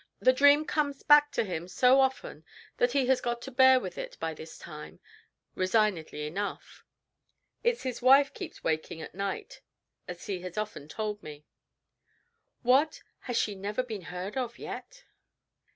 "The dream comes back to him so often that he has got to bear with it by this time resignedly enough. It's his wife keeps him waking at night as he has often told me." "What! Has she never been heard of yet?"